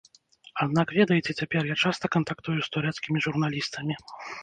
Аднак, ведаеце, цяпер я часта кантактую з турэцкімі журналістамі.